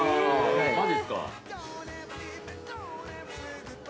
◆マジっすか。